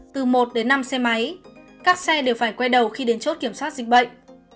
từ một đến năm xe máy các xe đều phải quay đầu khi đến chốt kiểm soát dịch bệnh